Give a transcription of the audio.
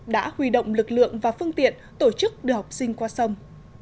đã huy động lực lượng và phương tiện tổ chức đưa học sinh qua sông